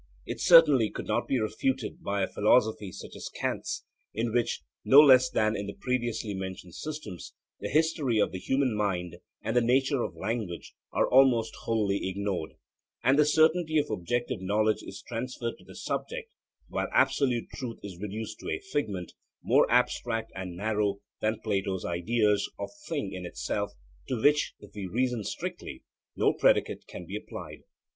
It certainly could not be refuted by a philosophy such as Kant's, in which, no less than in the previously mentioned systems, the history of the human mind and the nature of language are almost wholly ignored, and the certainty of objective knowledge is transferred to the subject; while absolute truth is reduced to a figment, more abstract and narrow than Plato's ideas, of 'thing in itself,' to which, if we reason strictly, no predicate can be applied.